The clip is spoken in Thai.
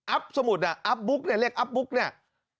สมุดอ่ะอัพบุ๊กเนี่ยเรียกอัพบุ๊กเนี่ย